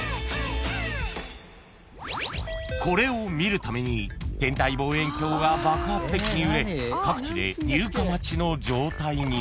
［これを見るために天体望遠鏡が爆発的に売れ各地で入荷待ちの状態に］